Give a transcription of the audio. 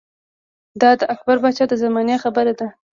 دا د اکبر باچا د زمانې خبره ده